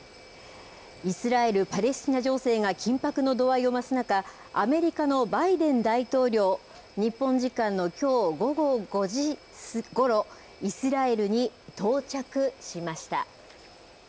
イスラエル・パレスチナ情勢が緊迫の度合いを増す中、アメリカのバイデン大統領、日本時間のきょう午後５時ごろ、イスラエルに到着しました。